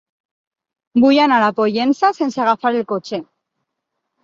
Vull anar a Pollença sense agafar el cotxe.